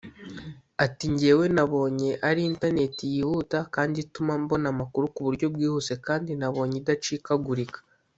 Ati “Njyewe nabonye ari internet y’ihuta kandi ituma mbona amakuru ku buryo bwihuse kandi nabonye idacikagurika